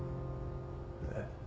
えっ。